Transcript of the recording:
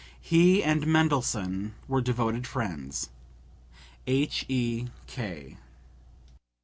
He and Mendelssohn were devoted friends. H.E.K.